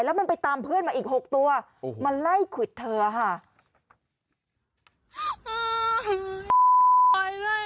แล้วมันไปตามเพื่อนมาอีก๖ตัวมาไล่ควิดเธอค่ะ